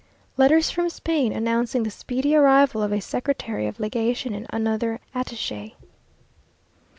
Letters from Spain, announcing the speedy arrival of a Secretary of Legation and another attache.